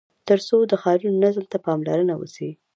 تر څو د ښارونو نظم ته پاملرنه وسي.